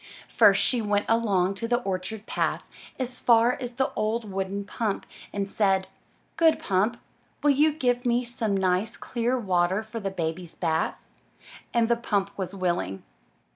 First, she went along the orchard path as far as the old wooden pump, and said: ''Good Pump, will you give me some nice, clear water for the baby's bath?'' And the pump was willing.